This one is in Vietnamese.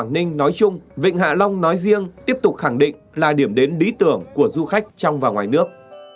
ngoài riêng tiếp tục khẳng định là điểm đến lý tưởng của du khách trong và ngoài nước